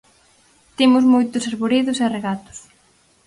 Temos moitos arboredos e regatos.